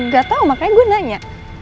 gak tau makanya gue nanya